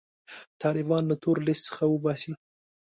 طالبان له تور لیست څخه وباسي.